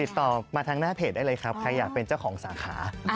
ติดต่อมาทางหน้าเพจได้เลยครับใครอยากเป็นเจ้าของสาขา